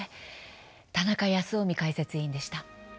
田中泰臣解説委員でした。